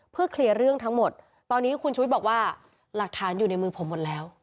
เพื่อเคลียร์เรื่องทั้งหมดตอนนี้คุณชุวิตบอกว่าหลักฐานอยู่ในมือผมหมดแล้ว